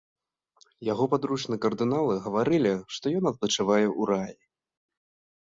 Яго падручныя кардыналы гаварылі, што ён адпачывае ў раі.